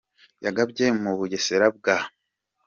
yagabye mu Bugesera bwa.